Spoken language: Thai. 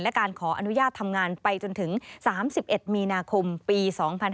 และการขออนุญาตทำงานไปจนถึง๓๑มีนาคมปี๒๕๕๙